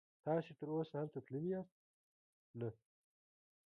تاسې تراوسه هلته تللي یاست؟ نه.